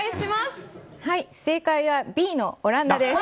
正解はＢのオランダです。